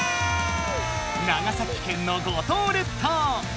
長崎県の五島列島。